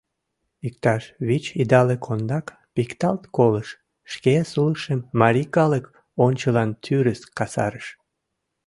Иктаж вич идалык ондак пикталт колыш, шке сулыкшым марий калык ончылан тӱрыс касарыш.